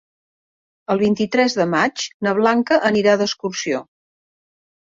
El vint-i-tres de maig na Blanca anirà d'excursió.